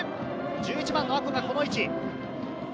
１１番の阿児がこの位置。